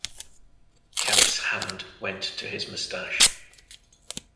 Kemp's hand went to his moustache.